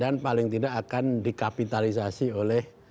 dan paling tidak akan dikapitalisasi oleh